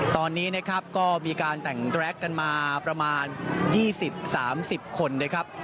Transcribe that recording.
ตอนนี้นะครับก็มีการแต่งแร็กกันมาประมาณ๒๐๓๐คนนะครับ